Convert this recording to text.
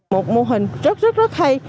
một mô hình rất rất hay